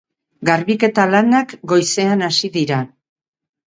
Garbiketa lanak goizean hasi dira.